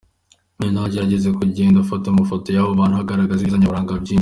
Uyu we yageragezaga kugenda afata amafoto y'aha hantu hagaragaza ibyiza nyaburanga byinshi.